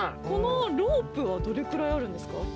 このロープはどれくらいあるんですか？